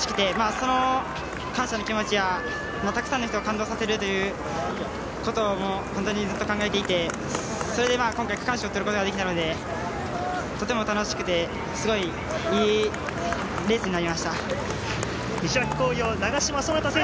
その感謝の気持ちやたくさんの人を感動させるということも本当にずっと考えていてそれで今回、区間賞をとることができたのでとても楽しくてすごくいいレースになりました。